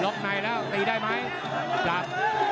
ลบในแล้วตีได้ไหมจับ